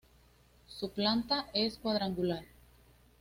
Su planta es cuadrangular.